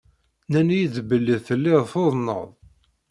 Nnan-iyi-d belli telliḍ tuḍneḍ.